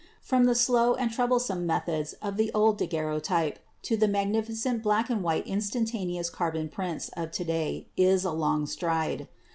From the slow and troublesome methods of the old daguerreotype to the magnificent black and white instantaneous carbon prints of to day is a long stride.